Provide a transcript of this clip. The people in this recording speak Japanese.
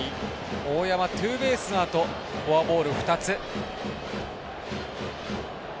大山、ツーベースのあとフォアボール２つ。